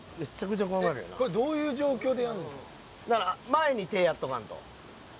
前に手をやっとかんと。